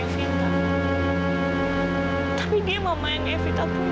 dan sejati dia nanti aku akan berubah menjadi mama yang evita punya